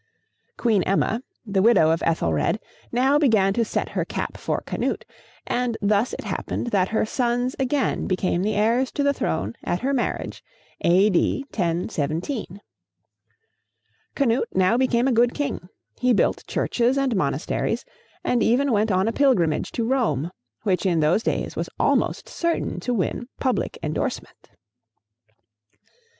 ] Queen Emma, the widow of Ethelred, now began to set her cap for Canute, and thus it happened that her sons again became the heirs to the throne at her marriage, A.D. 1017. Canute now became a good king. He built churches and monasteries, and even went on a pilgrimage to Rome, which in those days was almost certain to win public endorsement.